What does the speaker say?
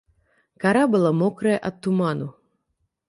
Кара была мокрая ад туману.